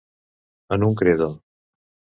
En un credo.